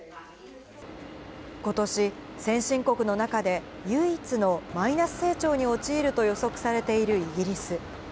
ことし、先進国の中で唯一のマイナス成長に陥ると予測されているイギリス。